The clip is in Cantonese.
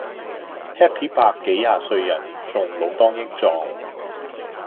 Happy 伯幾廿歲人仲老當益壯